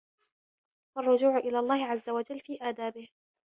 وَالرُّجُوعِ إلَى اللَّهِ عَزَّ وَجَلَّ فِي آدَابِهِ